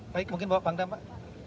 baik mungkin bapak pangdam pak